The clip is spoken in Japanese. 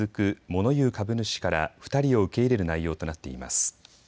モノ言う株主から２人を受け入れる内容となっています。